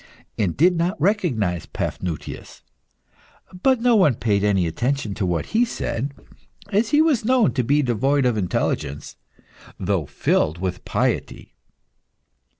and did not recognise Paphnutius. But no one paid any attention to what he said, as he was known to be devoid of intelligence, though filled with piety.